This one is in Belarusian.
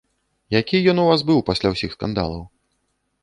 Які ён у вас быў пасля усіх скандалаў?